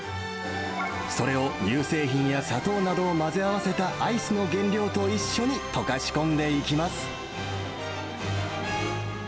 それを乳製品や砂糖などを混ぜ合わせたアイスの原料と一緒に溶かし込んでいきます。